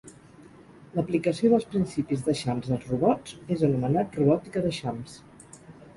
L'aplicació dels principis d'eixams als robots és anomenat robòtica d'eixams.